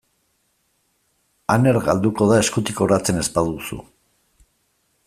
Aner galduko da eskutik oratzen ez baduzu.